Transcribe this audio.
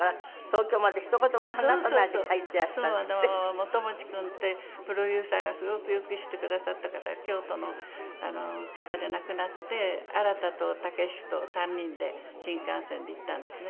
モトマチ君ってプロデューサーがすごくよくしてくださった方が京都の方で亡くなって新と武と３人で新幹線で行ったんですね。